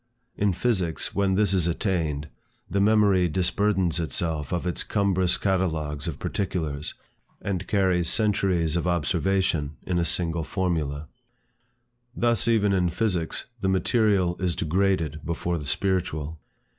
In physics, when this is attained, the memory disburthens itself of its cumbrous catalogues of particulars, and carries centuries of observation in a single formula. Thus even in physics, the material is degraded before the spiritual.